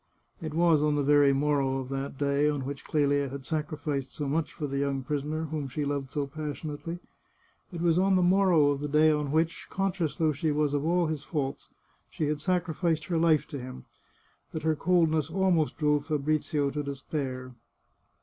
" It was on the very morrow of that day on which Clelia had sacrificed so much for the young prisoner whom she loved so passionately — it was on the morrow of the day on which, conscious though she was of all his faults, she had sacrificed her life to him, that her coldness almost drove Fabrizio to despair.